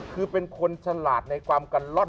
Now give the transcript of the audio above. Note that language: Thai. คือเป็นคนฉลาดในความกัลล่อน